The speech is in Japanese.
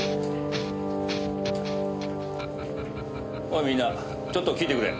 おいみんなちょっと聞いてくれ。